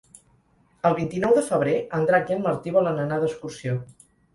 El vint-i-nou de febrer en Drac i en Martí volen anar d'excursió.